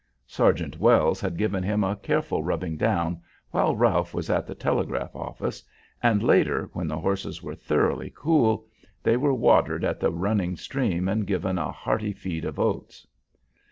Sergeant Wells had given him a careful rubbing down while Ralph was at the telegraph office, and later, when the horses were thoroughly cool, they were watered at the running stream and given a hearty feed of oats.